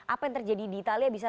apa yang terjadi di italia bisa